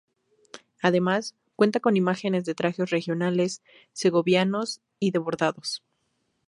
Además, cuenta con imágenes de trajes regionales segovianos y de bordados.